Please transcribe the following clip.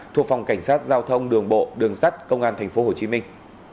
thuộc phòng cảnh sát giao thông đường bộ đường sắt công an thành phố hồ chí minh